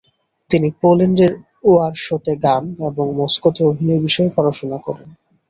তিনি পোল্যান্ডের ওয়ারশতে গান এবং মস্কোতে অভিনয় বিষয়ে পড়াশোনা করেন।